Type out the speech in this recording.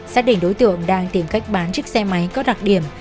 xác định đối tượng đang tìm cách bán chiếc xe máy có đặc điểm